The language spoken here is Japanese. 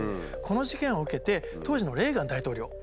この事件を受けて当時のレーガン大統領。